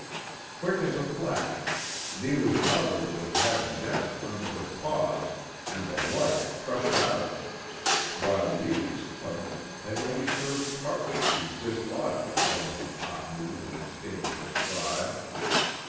Quick as a flash Neewa's mother would have had the nest under her paws and the life crushed out of it, while Neewa's tug had only served partly to dislodge the home of Ahmoo and his dangerous tribe.